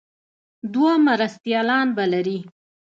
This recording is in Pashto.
دوه مرستیالان به لري.